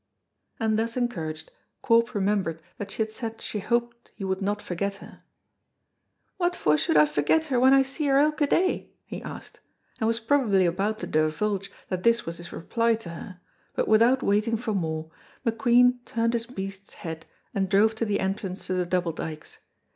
And thus encouraged Corp remembered that she had said she hoped he would not forget her. "What for should I forget her when I see her ilka day?" he asked, and was probably about to divulge that this was his reply to her, but without waiting for more, McQueen turned his beast's head and drove to the entrance to the Double Dykes.